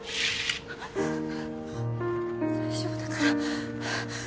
大丈夫だから。